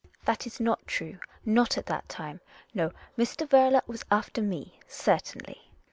That is not true. Not at that time, na Mr. Werle was after me, certainly.